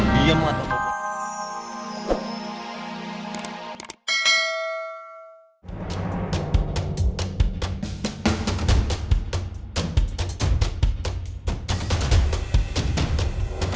kau jangan marah sama vadang